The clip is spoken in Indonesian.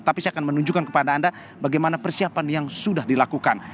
tapi saya akan menunjukkan kepada anda bagaimana persiapan yang sudah dilakukan